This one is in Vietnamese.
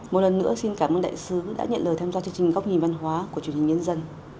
một lần nữa xin cảm ơn đại sứ đã nhận lời tham gia chương trình góc nhìn văn hóa của truyền hình nhân dân